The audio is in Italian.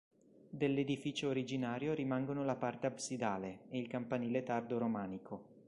Dell'edificio originario rimangono la parte absidale e il campanile tardo-romanico.